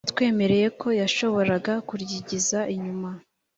yatwemereye ko yashoboraga kuryigiza inyuma